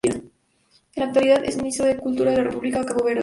En la actualidad es Ministro de Cultura de la República de Cabo Verde.